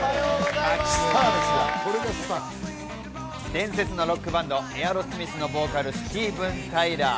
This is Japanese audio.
伝説のロックバンド、エアロスミスのボーカル、スティーヴン・タイラー。